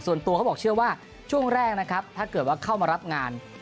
ส่วนตัวเขาบอกเชื่อว่าช่วงแรกนะครับถ้าเกิดว่าเข้ามารับงาน